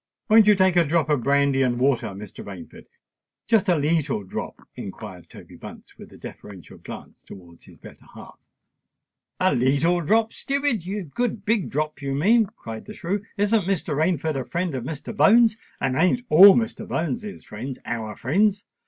"Won't you take a drop of brandy and water, Mr. Rainford—just a leetle drop?" inquired Toby Bunce, with a deferential glance towards his better half.. "A leetle drop, stupid!—a good big drop, you mean!" cried the shrew. "Isn't Mr. Rainford a friend of Mr. Bones?—and ain't all Mr. Bones's friends our friends?